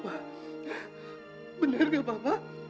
kamu enggak apa apa